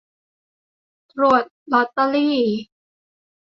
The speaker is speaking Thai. ตรวจลอตเตอรี